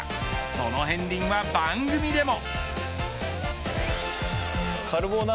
その片りんは番組でも。